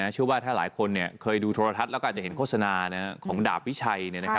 เชื่อว่าถ้าหลายคนเคยดูโทรทัศน์แล้วก็อาจจะเห็นโฆษณาของดาบวิชัย